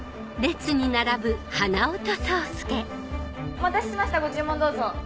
お待たせしましたご注文どうぞ。